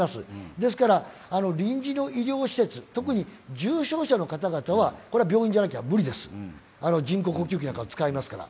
ですから臨時の医療施設、特に重症者の方々はこれは病院じゃなきゃ無理です、人工呼吸器なんかを使いますから。